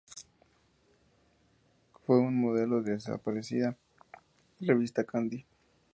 Fue un modelo de la desaparecida revista Candy.